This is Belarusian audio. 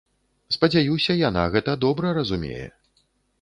Спадзяюся, яна гэта добра разумее.